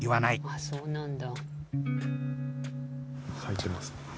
ああそうなんだ。